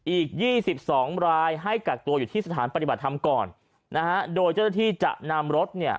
อีก๒๒รายให้กักตัวอยู่ที่สถานปฏิบัติธรรมก่อนนะฮะโดยเจ้าหน้าที่จะนำรถเนี่ย